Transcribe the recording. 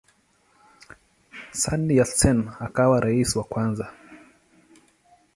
Sun Yat-sen akawa rais wa kwanza.